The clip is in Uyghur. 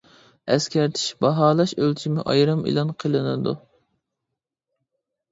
ئەسكەرتىش: باھالاش ئۆلچىمى ئايرىم ئېلان قىلىنىدۇ.